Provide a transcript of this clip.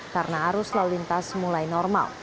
karena arus lau lintas mulai normal